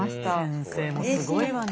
先生もすごいわね。